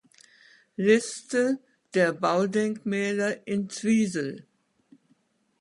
Liste der Baudenkmäler in Zwiesel